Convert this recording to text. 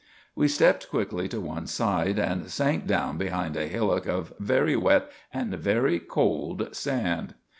We stepped quickly to one side and sank down behind a hillock of very wet and very cold sand.